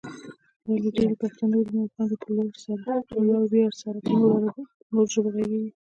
ولې ډېرای پښتانه وروڼه او خويندې په لوړ ویاړ سره په نورو ژبو غږېږي؟